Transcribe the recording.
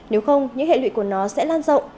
nếu không những hệ lụy của nó sẽ lan rộng